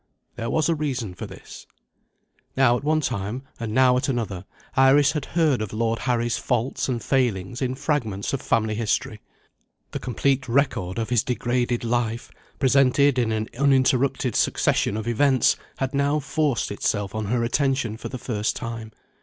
There was a reason for this. Now at one time, and now at another, Iris had heard of Lord Harry's faults and failings in fragments of family history. The complete record of his degraded life, presented in an uninterrupted succession of events, had now forced itself on her attention for the first time.